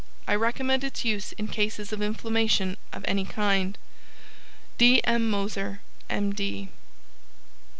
I recommend its use in cases of inflammation of any kind. D. M. MOSER, M. D.